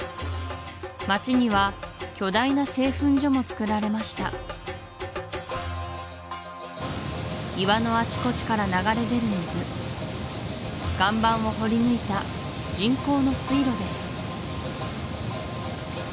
町には巨大な製粉所もつくられました岩のあちこちから流れ出る水岩盤を掘り抜いた人工の水路です